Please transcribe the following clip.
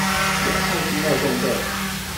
亞太經貿重鎮